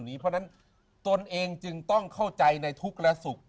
เพราะฉะนั้นตนเองจึงต้องเข้าใจในทุกข์และสุข